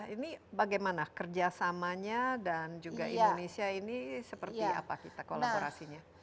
ini bagaimana kerjasamanya dan juga indonesia ini seperti apa kita kolaborasinya